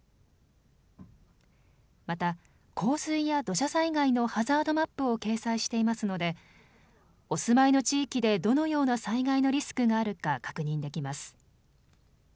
また、洪水や土砂災害のハザードマップを掲載していますのでお住まいの地域でどのような災害のリスクがあるか確認できます。